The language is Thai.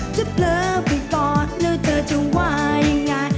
เผลอไปก่อนแล้วเธอจะว่ายังไง